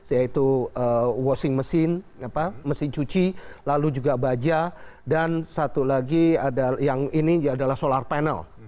yaitu washing mesin mesin cuci lalu juga baja dan satu lagi yang ini adalah solar panel